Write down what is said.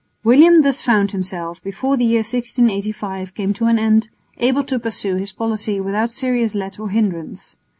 William thus found himself, before the year 1685 came to an end, able to pursue his policy without serious let or hindrance.